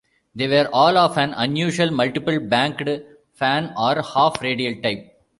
They were all of an unusual multiple-banked fan or half-radial type.